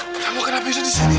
kamu kenapa sudah di sini